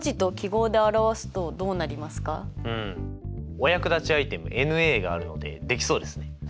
お役立ちアイテムｎがあるのでできそうですね。